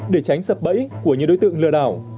để tránh sập bẫy của những đối tượng lừa đảo